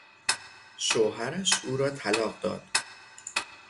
شوهرش او را طلاق داد.